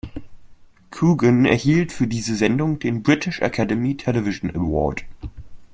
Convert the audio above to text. Coogan erhielt für diese Sendung den British Academy Television Award.